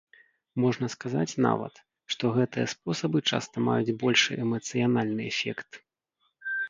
Можна сказаць нават, што гэтыя спосабы часта маюць большы эмацыянальны эфект.